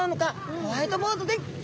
ホワイトボードでギョ説明いたします。